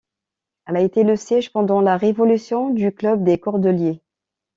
Elle a été le siège pendant la Révolution du Club des Cordeliers.